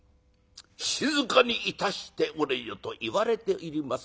静かにいたしておれよ」と言われております